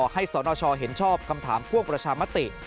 สนชเห็นชอบคำถามพ่วงประชามติ